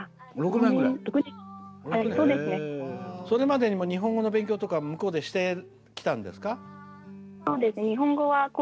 それまでにも日本語の勉強とか向こうでしてきたんですか？